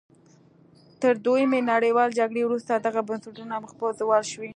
تر دویمې نړیوالې جګړې وروسته دغه بنسټونه مخ په زوال شول.